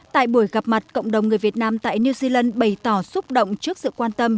tại buổi gặp mặt cộng đồng người việt nam tại new zealand bày tỏ xúc động trước sự quan tâm